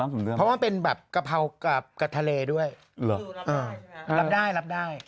เพราะว่ามันเป็นแบบกะเพรากับกะทะเลด้วยรับได้รับได้